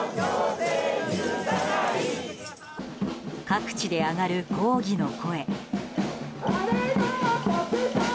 各地で上がる抗議の声。